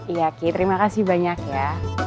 iya ki terimakasih banyak ya